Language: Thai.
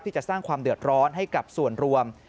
จะสร้างความเดือดร้อนให้กับส่วนรวม